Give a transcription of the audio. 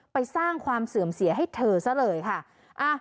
ไปสร้างความเสื่อมเสียให้เธอซะเลยค่ะ